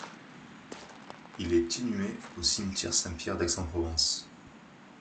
Il est inhumé au cimetière Saint-Pierre d'Aix-en-Provence.